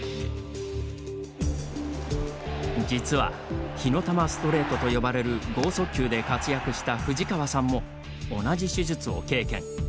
実は、火の玉ストレートと呼ばれる剛速球で活躍した藤川さんも同じ手術を経験。